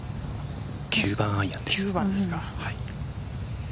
９番アイアンです。